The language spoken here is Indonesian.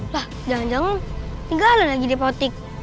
lah jangan jangan tinggalin lagi di potik